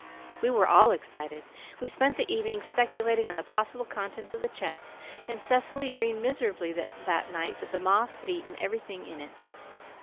We were all excited. We spent the evening speculating on the possible contents of the chest, and Cecily dreamed miserably that night that the moths had eaten everything in it.